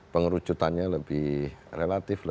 pengerucutannya lebih relatif